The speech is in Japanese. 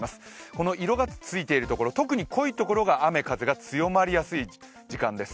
この色がついているところ特に濃いところが雨・風が強まりやすい時間帯です。